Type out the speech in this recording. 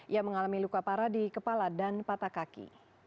ia mengalami luka parah di kepala dan patah kaki